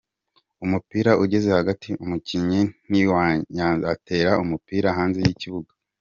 Umupira ugeze hagati umukinnyi w’i Nyanza atera umupira hanze y’ikibuga.